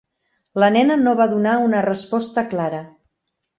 La nena no va donar una resposta clara.